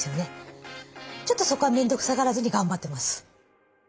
ちょっとそこは面倒くさがらずに頑張ってます。